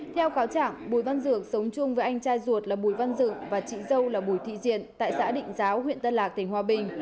theo cáo chẳng bùi văn dược sống chung với anh trai ruột là bùi văn dự và chị dâu là bùi thị diện tại xã định giáo huyện tân lạc tỉnh hòa bình